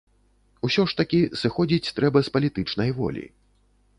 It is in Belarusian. Усё ж такі, сыходзіць трэба з палітычнай волі.